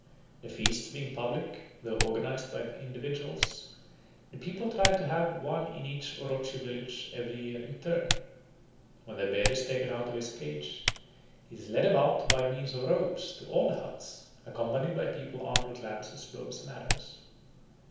The feasts being public, though organised by individuals, the people try to have one in each Orotchi village every year in turn. When the bear is taken out of his cage, he is led about by means of ropes to all the huts, accompanied by people armed with lances, bows, and arrows.